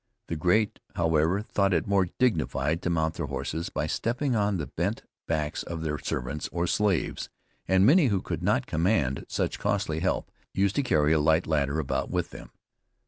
The great, however, thought it more dignified to mount their horses by stepping on the bent backs of their servants or slaves, and many who could not command such costly help used to carry a light ladder about with them.